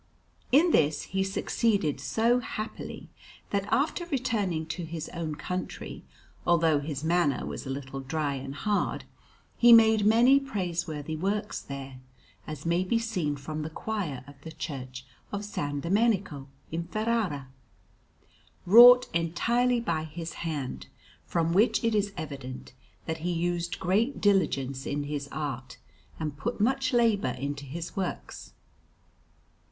In this he succeeded so happily, that, after returning to his own country, although his manner was a little dry and hard, he made many praiseworthy works there; as may be seen from the choir of the Church of S. Domenico in Ferrara, wrought entirely by his hand, from which it is evident that he used great diligence in his art and put much labour into his works.